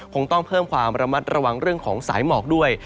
คงต้องเพิ่มความระมัดระวังเรื่องของสายหมอกด้วย